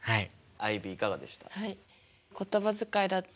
アイビーいかがでした？